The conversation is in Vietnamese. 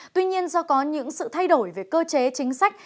tuy nhiên do có những sự thay đổi về cơ chế chính sách